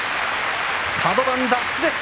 カド番脱出です。